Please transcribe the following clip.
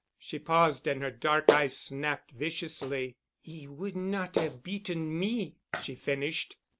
She paused and her dark eyes snapped viciously. "'E would not have beaten me," she finished.